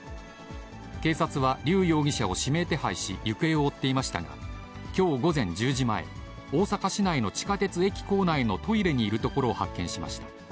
警察は、劉容疑者を指名手配し、行方を追っていましたが、きょう午前１０時前、大阪市内の地下鉄駅構内のトイレにいるところを発見しました。